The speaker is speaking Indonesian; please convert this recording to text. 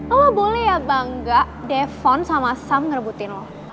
eloh lo boleh ya bangga devon sama sam ngerebutin lo